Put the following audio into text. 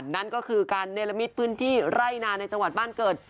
นั่นก็คือการเนรมิตพื้นที่ไร่นาในจังหวัดบ้านเกิด